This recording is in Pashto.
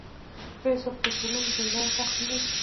هېڅوک پر ټولنې د ولایت حق نه لري.